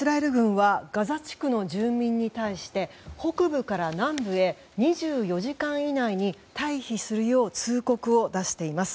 イスラエル軍はガザ地区の住民に対して北部から南部へ２４時間以内に退避するよう通告を出しています。